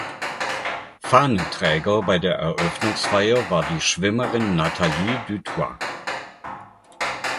Fahnenträger bei der Eröffnungsfeier war die Schwimmerin Natalie du Toit.